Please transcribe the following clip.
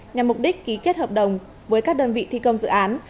nhằm mục đích ký kết hợp đồng với các đơn vị thi công dự án